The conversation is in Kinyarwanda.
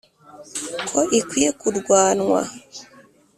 ko ikwiye kurwanwa